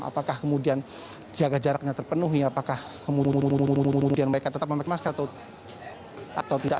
apakah kemudian jaga jaraknya terpenuhi apakah kemudian mereka tetap memakai masker atau tidak